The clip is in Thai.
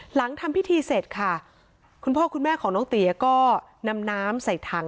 หลังทำพิธีเสร็จค่ะคุณพ่อคุณแม่ของน้องเตี๋ยก็นำน้ำใส่ถัง